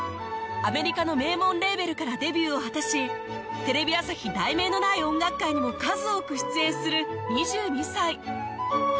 アメリカの名門レーベルからデビューを果たしテレビ朝日『題名のない音楽会』にも数多く出演する２２歳